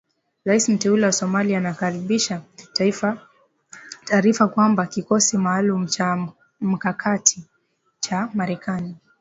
Rais mteule wa Somalia anakaribisha taarifa kwamba kikosi maalum cha mkakati cha Marekani